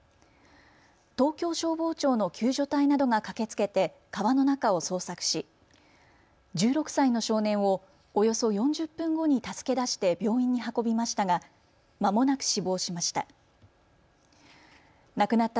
東京消防庁の救助隊などが駆けつけて川の中を捜索し１６歳の少年をおよそ４０分後に助け出して病院に運びましたがまもなく死亡しました。